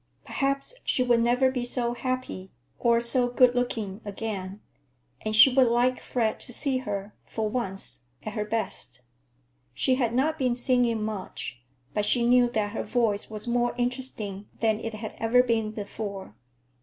Perhaps she would never be so happy or so good looking again, and she would like Fred to see her, for once, at her best. She had not been singing much, but she knew that her voice was more interesting than it had ever been before.